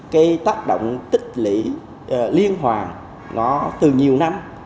cái tác động tích lũy liên hoàn nó từ nhiều năm